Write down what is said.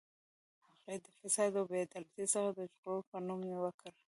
هغه یې د فساد او بې عدالتۍ څخه د ژغورلو په نوم وکړ.